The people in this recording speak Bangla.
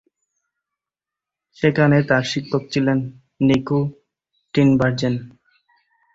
সেখানে তার শিক্ষক ছিলেন নিকো টিনবার্জেন।